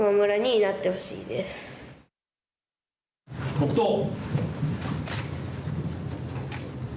黙とう。